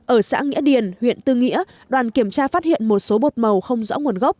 ở xã nghĩa điền huyện tư nghĩa đoàn kiểm tra phát hiện một số bột màu không rõ nguồn gốc